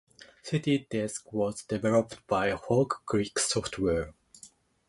CityDesk was developed by Fog Creek Software.